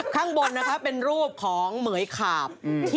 ข้างบนนะคะเป็นรูปของเหมือยขาบ